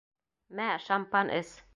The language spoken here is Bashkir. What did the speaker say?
Мә, шампан эс!